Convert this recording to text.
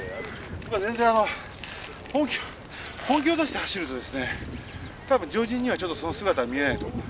全然あの本気本気を出して走るとですね多分常人にはちょっとその姿は見えないと思う。